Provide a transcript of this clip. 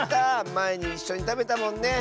まえにいっしょにたべたもんね。